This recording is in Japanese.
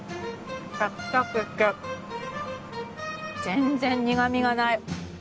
全然苦味がない！